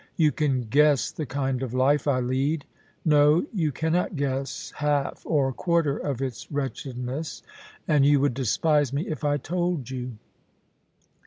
You can guess the kind of life I lead — no, you cannot guess half or quarter of its wretchedness — and you would despise me if I told you.